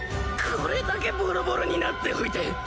これだけぼろぼろになっておいて！